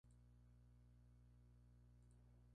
Se produjeron grandes debates.